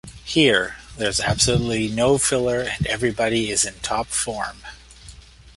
Here, there's absolutely no filler and everybody is in top form.